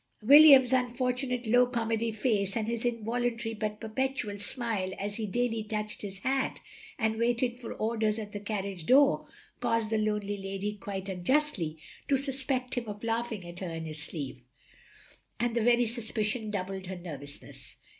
William's tmforttmate low comedy face, and his involtmtary but perpetual smile as he daily touched his hat and waited for orders at the carriage door, caused the lonely lady, quite unjustly, to suspect him of laughing at her in his sleeve; and the very suspicion doubled her nervousness.